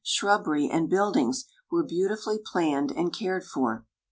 shrubbery, and buildbngs were beautifully plaancd md cared for.